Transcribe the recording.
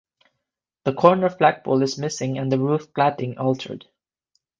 The corner flagpole is missing and the roof cladding altered.